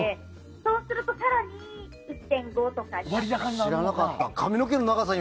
そうすると更に、１．５とか。